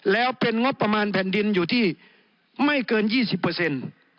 แล้วเป็นงบประมาณแผ่นดินอยู่ที่ไม่เกิน๒๐